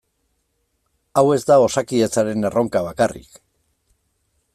Hau ez da Osakidetzaren erronka bakarrik.